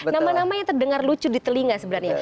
nama namanya terdengar lucu di telinga sebenarnya